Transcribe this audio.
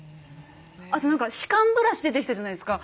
あと何か歯間ブラシ出てきたじゃないですか。